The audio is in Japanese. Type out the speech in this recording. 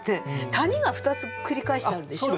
「谷」が２つ繰り返してあるでしょう。